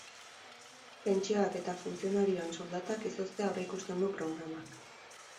Pentsioak eta funtzionarioen soldatak izoztea aurreikusten du programak.